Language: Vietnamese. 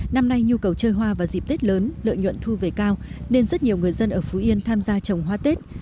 năm nay nhu cầu chơi hoa vào dịp tết lớn lợi nhuận thu về cao nên rất nhiều người dân ở phú yên tham gia trồng hoa tết